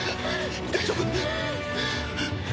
大丈夫？